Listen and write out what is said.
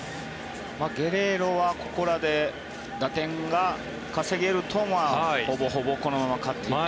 ゲレーロはここらで打点が稼げるとはほぼほぼ、このまま勝つと。